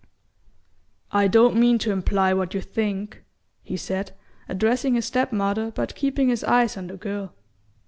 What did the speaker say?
"I don't mean to imply what you think," he said, addressing his step mother but keeping his eyes on the girl.